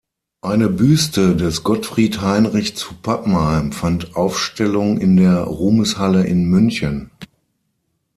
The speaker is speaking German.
Eine Büste des Gottfried Heinrich zu Pappenheim fand Aufstellung in der Ruhmeshalle in München.